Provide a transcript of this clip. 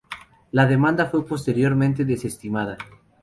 La demanda fue posteriormente desestimada.